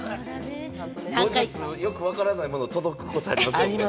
後日、よくわからないもの届くことありますよね。